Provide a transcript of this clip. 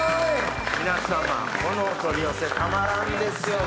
皆様このお取り寄せたまらんですよね